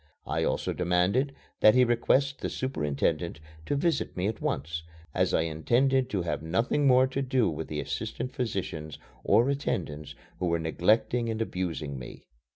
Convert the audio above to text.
I also demanded that he request the superintendent to visit me at once, as I intended to have nothing more to do with the assistant physicians or attendants who were neglecting and abusing me.